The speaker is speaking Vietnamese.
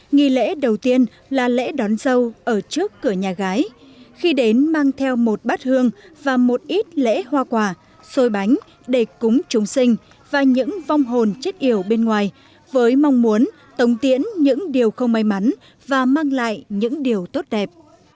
nghi lễ đầu tiên là lễ đón dâu ở trước cửa nhà gái khi đến mang theo một bát hương và một ít lễ hoa quả xôi bánh để cúng chúng sinh và những vong hồn chết yểu bên ngoài với mong muốn tống tiễn những điều không may mắn và mang lại những điều tốt đẹp